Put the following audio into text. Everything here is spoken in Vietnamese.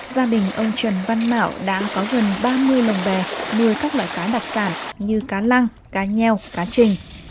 gia đình ông trần văn mạo đã có gần ba mươi lồng bè nuôi các loại cá đặc sản như cá lăng cá nheo cá trình